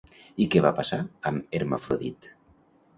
I què va passar amb Hermafrodit?